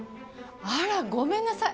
あらごめんなさい！